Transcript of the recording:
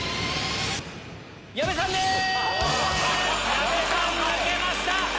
矢部さん抜けました！